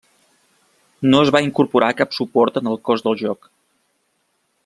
No es va incorporar cap suport en el cos del joc.